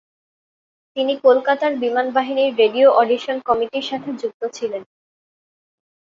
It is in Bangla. তিনি কলকাতার বিমান বাহিনীর রেডিও অডিশন কমিটির সাথে যুক্ত ছিলেন।